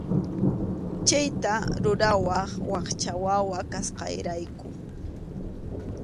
Chayta rurawaq wakcha wawa kasqayrayku.